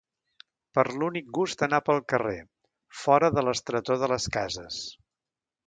Per l’únic gust d’anar pel carrer, fora de l’estretor de les cases.